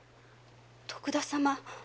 徳田様。